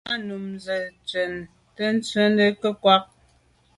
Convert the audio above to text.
A num nzin njù tèttswe nke nkwa’a.